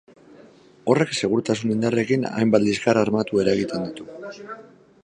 Horrek segurtasun-indarrekin hainbat liskar armatu eragiten ditu.